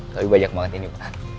tapi banyak banget ini pak